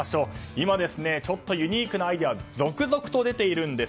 今ユニークなアイデアが続々と出ているんです。